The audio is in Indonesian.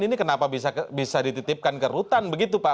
ini kenapa bisa dititipkan kerutan begitu pak